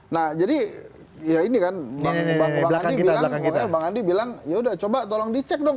nah jadi ya ini kan bang andi bilang yaudah coba tolong dicek dong